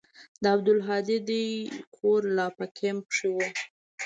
د عبدالهادي دوى کور لا په کمپ کښې و.